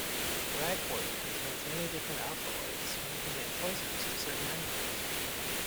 Ragwort contains many different alkaloids, making it poisonous to certain animals.